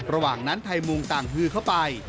ระหว่างนั้นไทยมุงต่างฮือเข้าไป